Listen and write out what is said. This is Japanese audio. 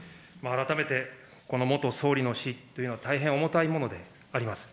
改めて、この元総理の死というのは大変重たいものであります。